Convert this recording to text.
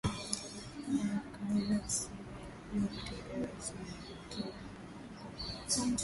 Ba kasayi bana juwa kutembeza sana ma kinga ngambo ya kongolo